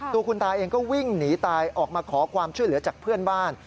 ตัวคุณตาเองก็วิ่งหนีตายออกมาขอความช่วยเหลือจากเพื่อนบ้าน